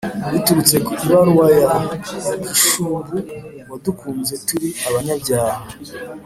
biturutse ku ibaruwa ya gishumb wadukunze turi abanyabyaha